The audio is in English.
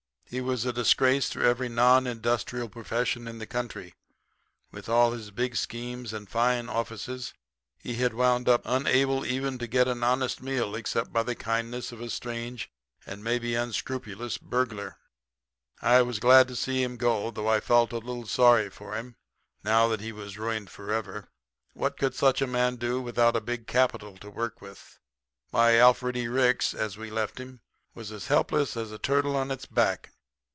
He was a disgrace to every non industrial profession in the country. With all his big schemes and fine offices he had wound up unable even to get an honest meal except by the kindness of a strange and maybe unscrupulous burglar. I was glad to see him go, though I felt a little sorry for him, now that he was ruined forever. What could such a man do without a big capital to work with? Why, Alfred E. Ricks, as we left him, was as helpless as turtle on its back.